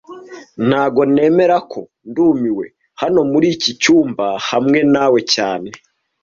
Ntago nemera ko ndumiwe hano muri iki cyumba hamwe nawe cyane